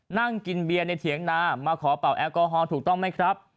นั่งกินเบียร์ในเถียงนามาขอเป่าแอลกอฮอลถูกต้องไหมครับ